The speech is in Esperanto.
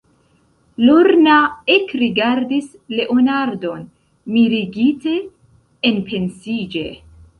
Lorna ekrigardis Leonardon mirigite, enpensiĝe.